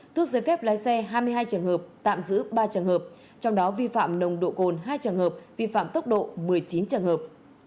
tước giới phép lái xe hai mươi hai trường hợp tạm giữ ba trường hợp trong đó vi phạm nồng độ cồn hai trường hợp vi phạm tốc độ một mươi chín trường hợp